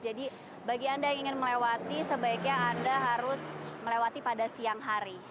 jadi bagi anda yang ingin melewati sebaiknya anda harus melewati pada siang hari